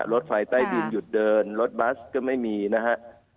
รถไฟใต้ดินหยุดเดินรถบัสก็ไม่มีนะฮะ